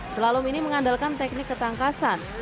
slalom ini mengandalkan teknik ketangkasan